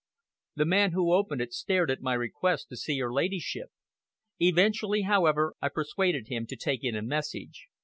The man who opened it stared at my request to see her Ladyship. Eventually, however, I persuaded him to take in a message.